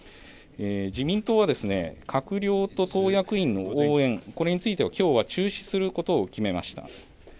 自民党は閣僚と党役員の応援、これについてはきょうは中止することを決めました。